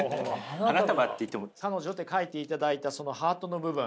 「彼女」って書いていただいたそのハートの部分